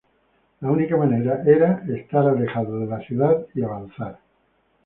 La única manera era estar alejado de la ciudad y avanzar.